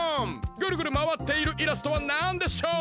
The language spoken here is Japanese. ぐるぐるまわっているイラストはなんでしょう？